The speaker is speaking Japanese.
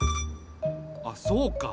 あっそうか。